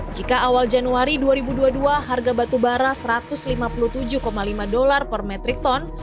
jika awal awal mencapai harga batu barang perusahaan rusia akan menderita kekeh perusahaan rusia juga akan menerima kekeh perusahaan rusia juga akan menerima kekeh